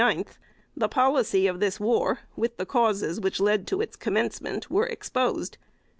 9), the policy of this war, with the causes which led to its commencement, were exposed.